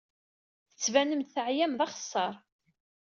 Tettbanem-d teɛyam d axeṣṣar.